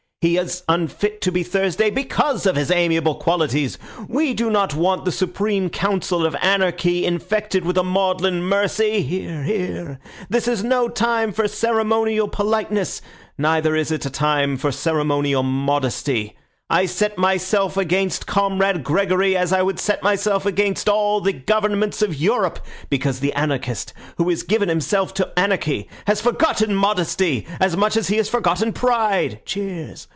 He is unfit to be Thursday because of his amiable qualities. We do not want the Supreme Council of Anarchy infected with a maudlin mercy (hear, hear). This is no time for ceremonial politeness, neither is it a time for ceremonial modesty. I set myself against Comrade Gregory as I would set myself against all the Governments of Europe, because the anarchist who has given himself to anarchy has forgotten modesty as much as he has forgotten pride (cheers).